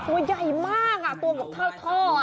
อุ้ยโอ้ยใหญ่มากตัวเบาะท่ออ่ะ